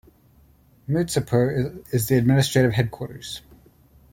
Mirzapur is the administrative headquarters.